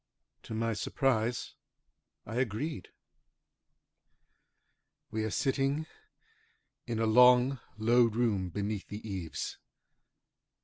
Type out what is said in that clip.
To my surprise I agreed. We are sitting in a long, low room beneath the eaves.